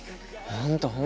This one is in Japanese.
本当。